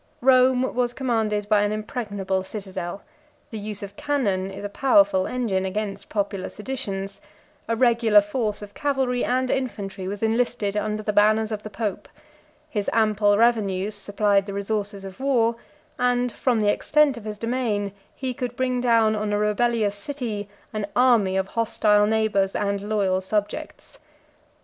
Rome was commanded by an impregnable citadel: the use of cannon is a powerful engine against popular seditions: a regular force of cavalry and infantry was enlisted under the banners of the pope: his ample revenues supplied the resources of war: and, from the extent of his domain, he could bring down on a rebellious city an army of hostile neighbors and loyal subjects.